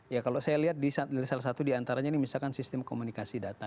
ya kalau saya lihat di salah satu diantaranya ini misalkan sistem komunikasi data